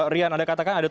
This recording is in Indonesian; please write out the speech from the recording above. rian ada katakan ada tujuh